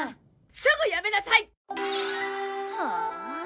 すぐやめなさい！はあ。